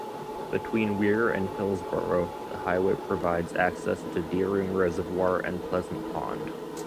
Between Weare and Hillsborough, the highway provides access to Deering Reservoir and Pleasant Pond.